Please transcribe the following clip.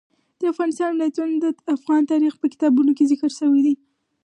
د افغانستان ولايتونه د افغان تاریخ په کتابونو کې ذکر شوی دي.